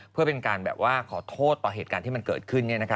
เพื่อเป็นการแบบว่าขอโทษต่อเหตุการณ์ที่มันเกิดขึ้น